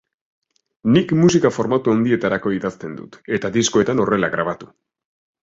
Nik musika formatu handietarako idazten dut eta diskoetan horrela grabatu.